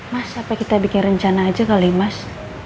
mas apa kita bikin rencana aja kali mas